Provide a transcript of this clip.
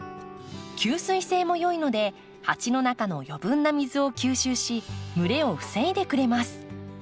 吸水性もよいので鉢の中の余分な水を吸収し蒸れを防いでくれます。